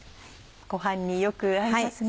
ご飯によく合いますね。